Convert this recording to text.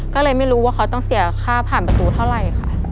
ก็เลยไม่รู้ว่าเขาต้องเสียค่าผ่านประตูเท่าไหร่ค่ะ